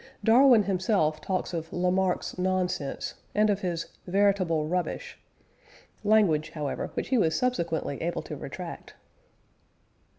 Darwin himself talks of "Lamarck's nonsense," and of his "veritable rubbish" language, however, which he was subsequently able to retract.